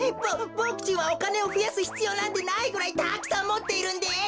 ボボクちんはおかねをふやすひつようなんてないぐらいたくさんもっているんです！